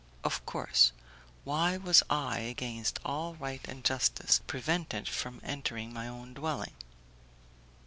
"Of course. Why was I, against all right and justice, prevented from entering my own dwelling?"